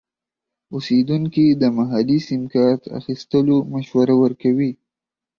اوسیدونکي د محلي سیم کارت اخیستلو مشوره ورکوي.